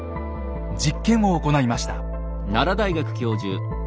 実験を行いました。